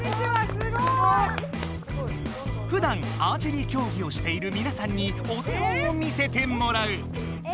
すごい！ふだんアーチェリーきょうぎをしているみなさんにお手本を見せてもらう！え？